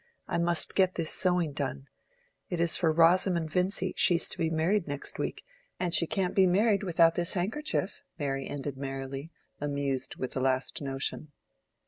I must get this sewing done. It is for Rosamond Vincy: she is to be married next week, and she can't be married without this handkerchief." Mary ended merrily, amused with the last notion.